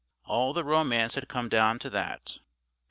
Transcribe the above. All the romance had come down to that.